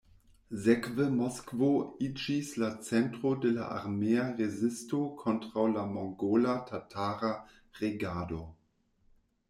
Sekve Moskvo iĝis la centro de la armea rezisto kontraŭ la mongola-tatara regado.